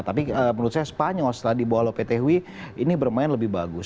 tapi menurut saya spanyol setelah dibawa lopetewi ini bermain lebih bagus